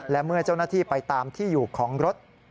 และเมื่อเจ้าหน้าที่ไปตามที่อยู่ของรถ